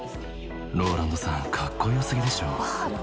ＲＯＬＡＮＤさんカッコよ過ぎでしょ